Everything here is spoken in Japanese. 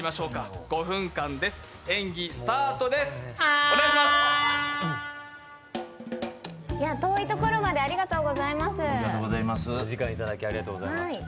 お時間いただきありがとうございます。